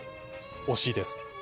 惜しいです。